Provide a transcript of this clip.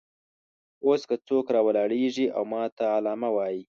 اوس که څوک راولاړېږي او ماته علامه وایي.